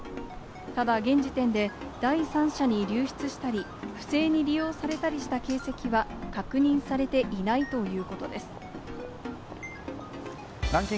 ただ現時点で第三者に流出したり不正に利用されたりした形跡は確認されていないということです。